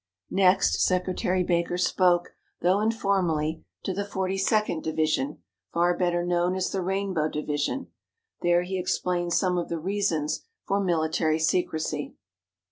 Next Secretary Baker spoke, though informally, to the Forty second Division, far better known as the Rainbow Division. There he explained some of the reasons for military secrecy.